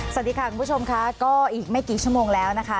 สวัสดีค่ะคุณผู้ชมค่ะก็อีกไม่กี่ชั่วโมงแล้วนะคะ